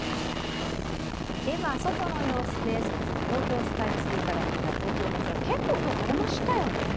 外の様子です、東京スカイツリーから見た東京の空、結構今日、晴れましたよね。